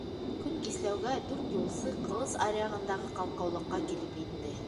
Көн кисләүгә, дүрт юлсы Ҡылыс аръяғындағы ҡалҡыулыҡҡа килеп етте.